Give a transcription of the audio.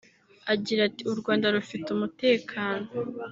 Agira ati “U Rwanda rufite umutekano